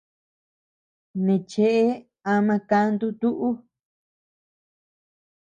Neʼe cheʼe ama kantu tuʼu.